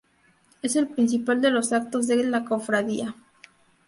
Es el principal de los actos de la Cofradía.